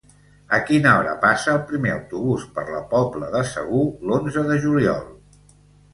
A quina hora passa el primer autobús per la Pobla de Segur l'onze de juliol?